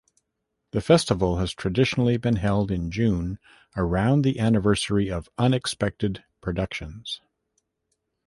The festival has traditionally been held in June, around the anniversary of Unexpected Productions.